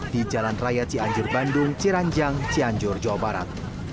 di jalan raya cianjur bandung ciranjang cianjur jawa barat